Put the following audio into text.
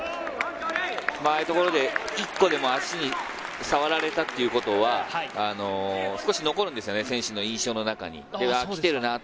ああいうところで１個でも足に触られたっていうことは少し残るんですよね、選手の印象の中に。